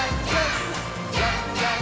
「じゃんじゃん！